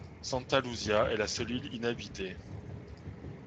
Santa Luzia est la seule île inhabitée.